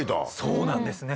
そうなんですね。